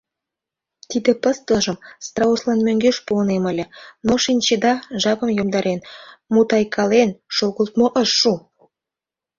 Тиде пыстылжым страуслан мӧҥгеш пуынем ыле, но, шинчеда, жапым йомдарен, мутайкален шогылтмо ыш шу.